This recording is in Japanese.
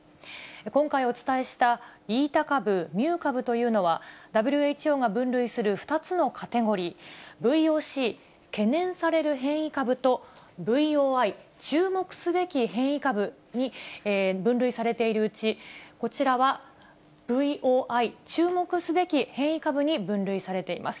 今回、お伝えしたイータ株、ミュー株というのは、ＷＨＯが分類する２つのカテゴリー、ＶＯＣ・懸念される変異株と、ＶＯＩ・注目すべき変異株に分類されているうち、こちらは、ＶＯＩ・注目すべき変異株に分類されています。